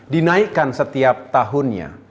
dinaikkan setiap tahunnya